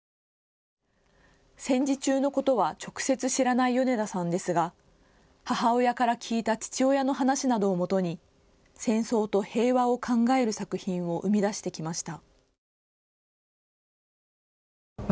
戦時中のことは直接知らない米田さんですが母親から聞いた父親の話などをもとに戦争と平和を考える作品を生み出してきました。